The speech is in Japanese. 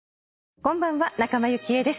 こんばんは仲間由紀恵です。